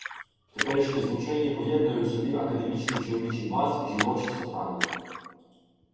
Теперішнє звучання поєднує в собі академічний чоловічий бас, жіноче сопрано